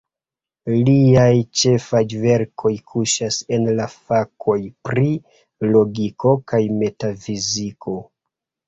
Liaj ĉefaj verkoj kuŝas en la fakoj pri logiko kaj metafiziko.